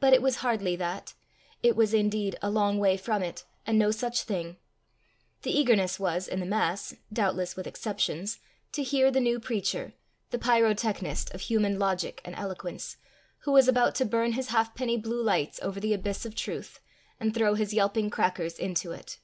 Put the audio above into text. But it was hardly that; it was indeed a long way from it, and no such thing: the eagerness was, in the mass, doubtless with exceptions, to hear the new preacher, the pyrotechnist of human logic and eloquence, who was about to burn his halfpenny blue lights over the abyss of truth, and throw his yelping crackers into it.